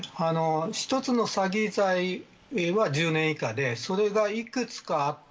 １つの詐欺罪は１０年以下でそれが幾つかあった。